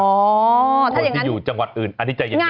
อ๋อถ้าอย่างนั้นคนที่อยู่จังหวัดอื่นอันนี้จะยังไง